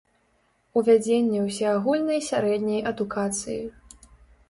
Увядзенне ўсеагульнай сярэдняй адукацыі.